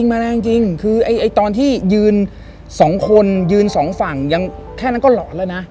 มาแรงจริงคือไอ้ตอนที่ยืนสองคนยืนสองฝั่งยังแค่นั้นก็หลอนแล้วนะ